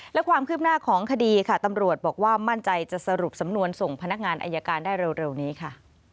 และความคืบหน้าของคดีค่ะตำรวจบอกว่ามั่นใจจะสรุปสำนวนส่งพนักงานอายการได้เร็วนี้ค่ะ